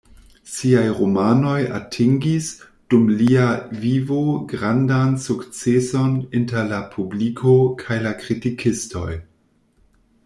Siaj romanoj atingis, dum lia vivo, grandan sukceson inter la publiko kaj la kritikistoj.